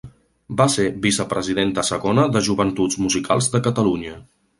Va ser vicepresidenta segona de Joventuts Musicals de Catalunya.